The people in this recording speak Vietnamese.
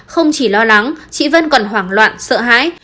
không chỉ lo lắng chị vân còn hoảng loạn sợ hãi